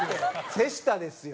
瀬下ですよ。